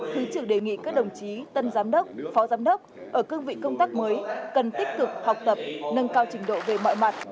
thứ trưởng đề nghị các đồng chí tân giám đốc phó giám đốc ở cương vị công tác mới cần tích cực học tập nâng cao trình độ về mọi mặt